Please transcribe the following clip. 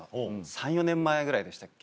３４年前ぐらいでしたっけ。